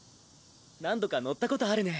何度か乗ったことあるね。